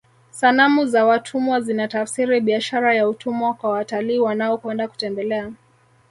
sanamu za watumwa zinatafsiri biashara ya utumwa kwa watalii wanaokwenda kutembelea